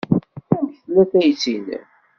Amek tella tayet-nnem?